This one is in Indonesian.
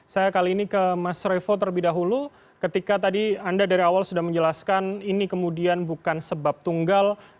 saya kali ini ke mas revo terlebih dahulu ketika tadi anda dari awal sudah menjelaskan ini kemudian bukan sebab tunggal